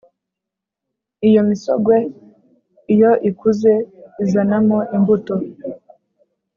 iyo misogwe iyo ikuze izanamo imbuto.